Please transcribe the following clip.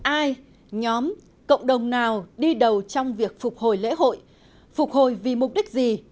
ai nhóm cộng đồng nào đi đầu trong việc phục hồi lễ hội phục hồi vì mục đích gì